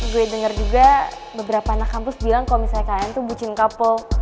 gue denger juga beberapa anak kampus bilang kalau misalnya kalian tuh bucin couple